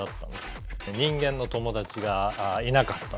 人間の友達がいなかったんですね。